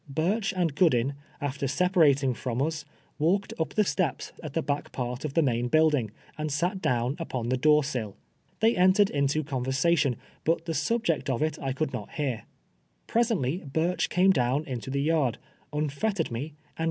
Ihirch anil (iiioilin, after separating from ns, walk ed n]) the ste]>s at the back part of the main building, and sat down npon tlie door sill. They entei ed into ci>nversatio;i, but the subject of it I could not heai*. J^resently Ihirch came down into the yard, unfettered nie, and Km!